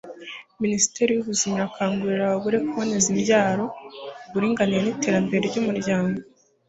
Minisiteri y'Ubuzima irakangura abagore kuboneza imbyaro Uburinganire n'Iterambere ry'Umuryango